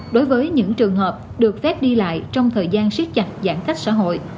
đối với những trường hợp được phép đi lại trong thời gian siết chặt giãn cách xã hội